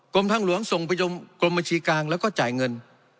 กรมทางหลวงส่งไปกรมบัญชีกลางแล้วก็จ่ายเงิน